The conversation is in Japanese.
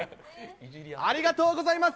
ありがとうございます。